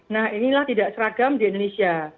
nah inilah tidak seragam di indonesia